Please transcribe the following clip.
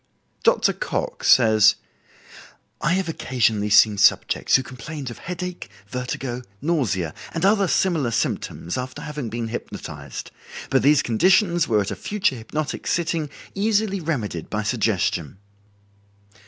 Dr. Cocke says: "I have occasionally seen subjects who complained of headache, vertigo, nausea, and other similar symptoms after having been hypnotized, but these conditions were at a future hypnotic sitting easily remedied by suggestion."